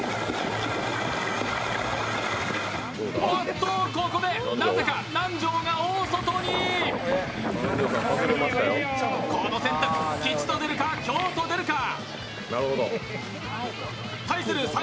おっと、ここでなぜか南條が大外にこの選択、吉と出るか凶と出るか。